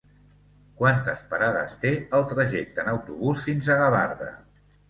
Quantes parades té el trajecte en autobús fins a Gavarda?